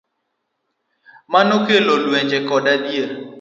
Mano kelo lwenje koda dhier